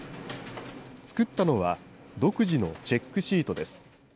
作ったのは、独自のチェックシートです。